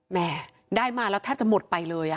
แม่ได้มาแล้วแทบจะหมดไปเลย